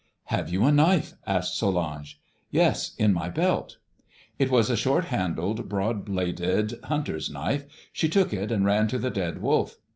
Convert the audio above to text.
"'Have you a knife?' asked Solange. "'Yes; in my belt.' "It was a short handled, broad bladed hunter's knife. She took it and ran to the dead wolf.